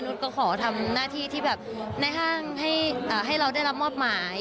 ก็ขอทำหน้าที่ที่แบบในห้างให้เราได้รับมอบหมาย